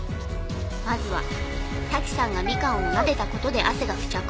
まずは滝さんがみかんをなでた事で汗が付着。